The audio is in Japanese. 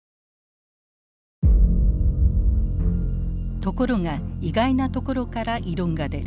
ところが意外なところから異論が出る。